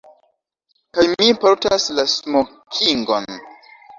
Kaj mi portas la smokingon.